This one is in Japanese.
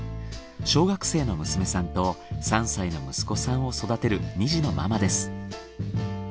小学生の娘さんと３歳の息子さんを育てる２児のママです。